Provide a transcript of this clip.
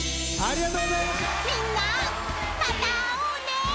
［みんなまた会おうね！］